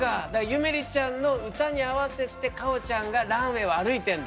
ゆめりちゃんの歌に合わせてかおちゃんがランウェイを歩いてんだ。